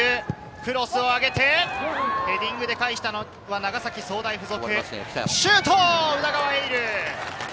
クロスを上げてヘディングで返したのは長崎総大附属。